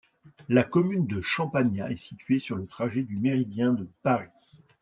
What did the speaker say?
La commune de Champagnat est située sur le trajet du méridien de Paris.